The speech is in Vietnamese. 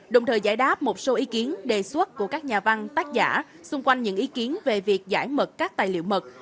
đồng thời giải đáp một số ý kiến đề xuất của các nhà văn tác giả xung quanh những ý kiến về việc giải mật các tài liệu mật